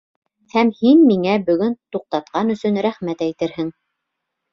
Һәм һин миңә бөгөн туҡтатҡан өсөн рәхмәт әйтерһең!